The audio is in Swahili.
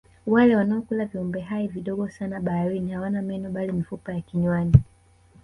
wale wanaokula viumbe hai vidogo sana baharini hawana meno bali mifupa ya kinywani